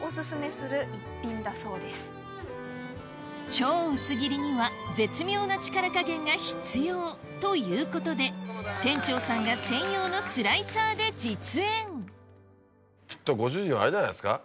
超薄切りにはということで店長さんが専用のスライサーで実演きっとご主人はあれじゃないですか。